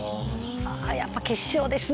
やっぱ決勝ですね。